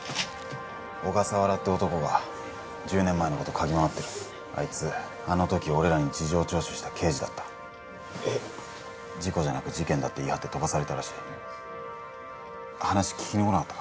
小笠原って男が１０年前のこと嗅ぎ回ってるあいつあの時俺らに事情聴取した刑事だった事故じゃなく事件だって言い張って飛ばされたらしい話聞きに来なかったか？